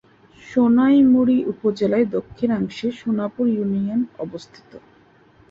সোনাইমুড়ি উপজেলার দক্ষিণাংশে সোনাপুর ইউনিয়নের অবস্থান।